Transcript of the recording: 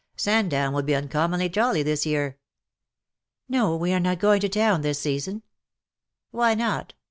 Sandown will be uncommonly jolly this year.''"' " No, we are not going to town this season.''^ " Why not